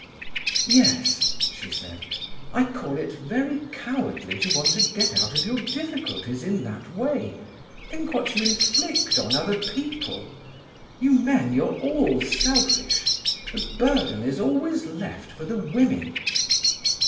"Yes," she said, "I call it very cowardly to want to get out of your difficulties in that way. Think what you inflict on other people. You men, you're all selfish. The burden is always left for the women."